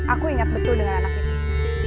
aku ingat betul dengan anak itu